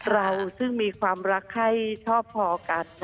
เราซึ่งมีความรักให้ชอบพอกัน